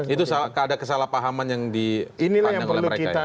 itu ada kesalahpahaman yang dipandang oleh mereka ya